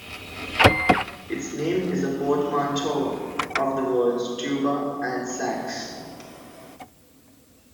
Its name is a portmanteau of the words "tuba" and "sax".